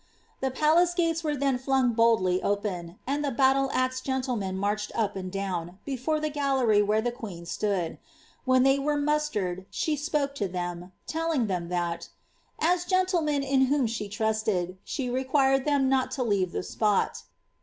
The palace gates were then flung boldly open, and the battle axe gentlemen marched up and down, before the gallery where the quefn stood. When they were mustered, she spoke to them, telling them thit. ' as gentlemen in whom she trusted, she required them not to leave the spot."